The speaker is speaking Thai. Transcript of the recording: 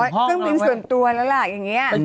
เครื่องบินส่วนตัวแล้วล่ะอย่างนี้